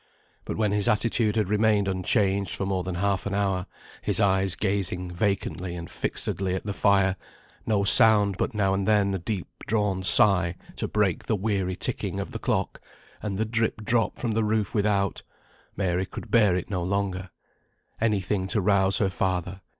But when his attitude had remained unchanged for more than half an hour, his eyes gazing vacantly and fixedly at the fire, no sound but now and then a deep drawn sigh to break the weary ticking of the clock, and the drip drop from the roof without, Mary could bear it no longer. Any thing to rouse her father.